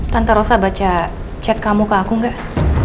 tante rosa baca chat kamu ke aku gak